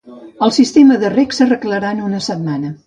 El sistema de reg s'arreglarà en una setmana.